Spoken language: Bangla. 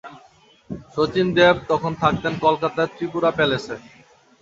শচীন দেব তখন থাকতেন কলকাতার ত্রিপুরা প্যালেসে।